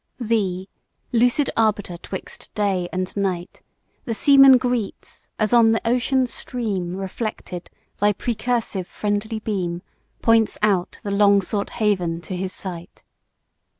THEE! lucid arbiter 'twixt day and night, The seaman greets, as on the ocean stream Reflected, thy precursive friendly beam Points out the long sought haven to his sight.